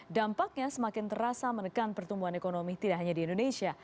dampaknya semakin terasa menekan pertumbuhan ekonomi tidak hanya di indonesia